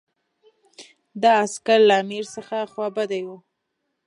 دا عسکر له امیر څخه خوابدي وو.